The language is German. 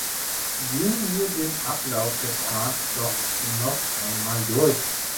Gehen wir den Ablauf der Tat doch noch einmal durch!